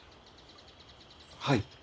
はい。